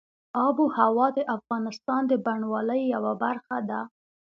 آب وهوا د افغانستان د بڼوالۍ یوه برخه ده.